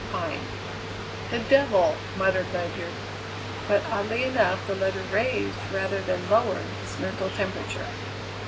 Pine. "The devil!" muttered Ledyard; but oddly enough the letter raised, rather than lowered, his mental temperature.